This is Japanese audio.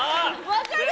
分かる！